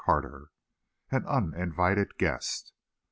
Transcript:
CHAPTER V. AN UNINVITED GUEST.